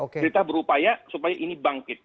kita berupaya supaya ini bangkit